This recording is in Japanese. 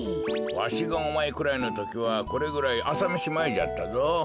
わしがおまえくらいのときはこれぐらいあさめしまえじゃったぞ。